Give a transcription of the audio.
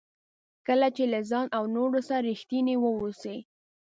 کله چې له ځان او نورو سره ریښتیني واوسئ.